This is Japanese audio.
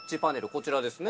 こちらですね。